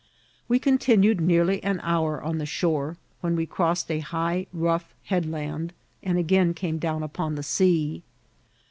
We continued nearly an hour on ther shore, when we crossed a high, rough headland, and again came down upon the sea.